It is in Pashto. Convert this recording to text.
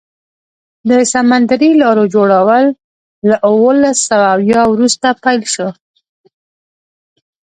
د سمندري لارو جوړول له اوولس سوه اویا وروسته پیل شو.